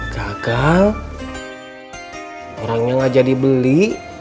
gagal orangnya gak jadi beli